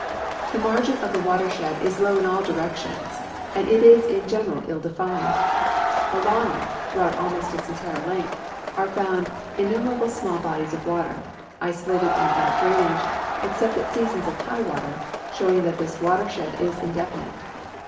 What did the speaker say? The margin of the watershed is low in all directions, and it is in general ill defineil. Along it, througliout almost its entire length, are found innu merable small bodies of water, isolated and without drainage, exce})t at seasons of high water, showing that this watershed is indefinite.